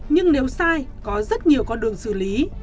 nhưng nếu sai có rất nhiều con đường xử lý